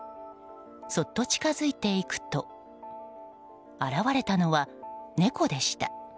そっと近づいていくと現れたのは猫でした。